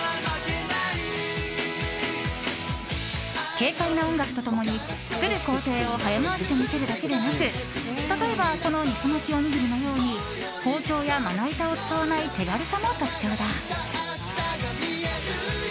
軽快な音楽と共に作る工程を早回しで見せるだけでなく例えばこの肉巻きおにぎりのように包丁やまな板を使わない手軽さも特徴だ。